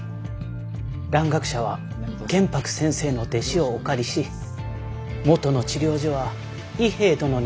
蘭学者は玄白先生の弟子をお借りし元の治療所は伊兵衛殿に任せました。